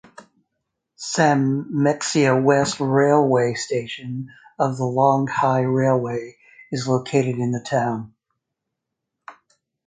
Sanmenxia West railway station of the Longhai railway is located in the town.